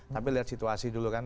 tapi lihat situasi dulu kan